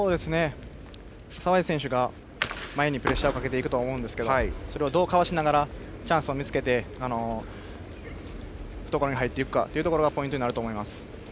澤江選手が前にプレッシャーをかけていくと思いますがそれをどうかわしながらチャンスを見つけて懐に入っていくかがポイントになると思います。